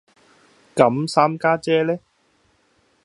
咁三家姐呢